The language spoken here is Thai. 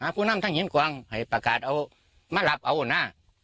ผู้นำทั้งหินกวางให้ประกาศเอามาหลับเอาหน้า